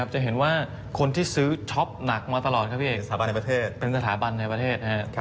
จะเห็นว่าคนที่ซื้อช็อปหนักมาตลอดครับพี่เอกสถาบันในประเทศเป็นสถาบันในประเทศ